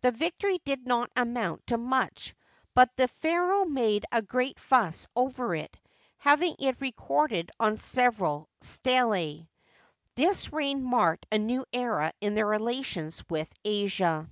The victory did not amount to much, but the pharaoh made a g^eat fuss over it, having it recorded on several stelae. This reign marked a new era in the relations with Asia.